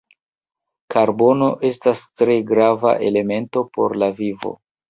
Karbono estas tre grava elemento por la vivo.